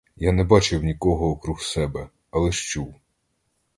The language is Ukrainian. Я не бачив нікого округ себе, а лиш чув.